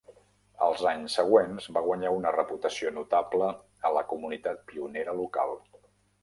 Els anys següents, va guanyar una reputació notable a la comunitat pionera local.